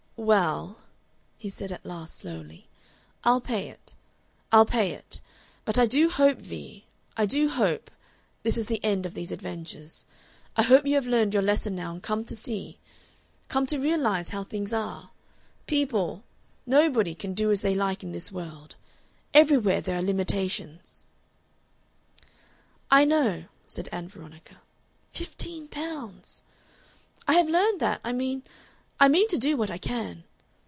"Well," he said at last slowly, "I'll pay it. I'll pay it. But I do hope, Vee, I do hope this is the end of these adventures. I hope you have learned your lesson now and come to see come to realize how things are. People, nobody, can do as they like in this world. Everywhere there are limitations." "I know," said Ann Veronica (fifteen pounds!). "I have learned that. I mean I mean to do what I can."